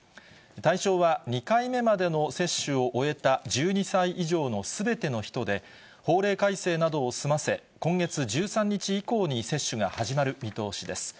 対象は、２回目までの接種を終えた１２歳以上のすべての人で、法令改正などを済ませ、今月１３日以降に接種が始まる見通しです。